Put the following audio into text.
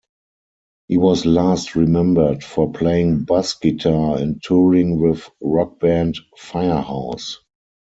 He was last remembered for playing bass guitar and touring with rock band FireHouse.